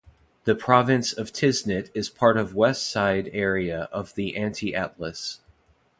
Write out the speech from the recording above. The province of Tiznit is part of west side area of the Anti-Atlas.